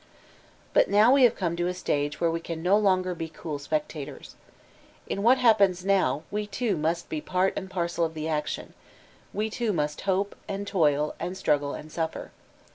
But now we have come to a stage where we can no koger be' cool spectators. In what happens now we too must be part and parcel of the action ; we too must hope, and toil, and struggle and suffer.